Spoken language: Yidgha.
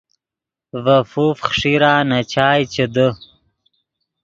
ڤے فوف خݰیرا نے چائے چے دے